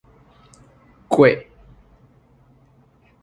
橛